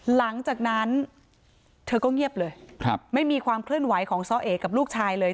หลังจากนั้นเธอก็เงียบเลยไม่มีความเคลื่อนไหวของซ้อเอกับลูกชายเลย